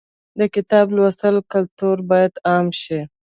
د کتاب لوستلو کلتور باید عام شي.